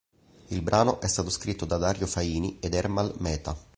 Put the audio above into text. Il brano è stato scritto da Dario Faini ed Ermal Meta.